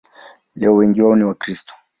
Leo wengi wao ni Wakristo.